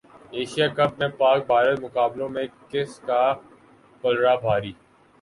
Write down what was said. Asia cup میں پاک بھارت مقابلوں میں کس کا پلڑا بھاری